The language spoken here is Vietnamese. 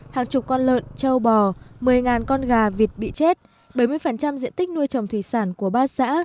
hàng chục con lợn châu bò một mươi con gà vịt bị chết bảy mươi diện tích nuôi trồng thủy sản của ba xã